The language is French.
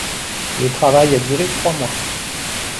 Le travail a duré trois mois.